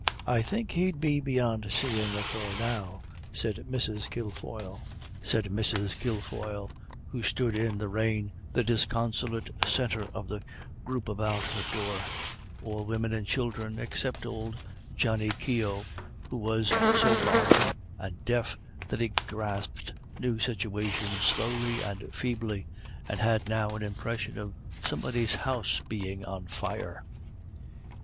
"I'd think he'd be beyant seein' afore now," said Mrs. Kilfoyle, who stood in the rain, the disconsolate centre of the group about her door; all women and children except old Johnny Keogh, who was so bothered and deaf that he grasped new situations slowly and feebly, and had now an impression of somebody's house being on fire.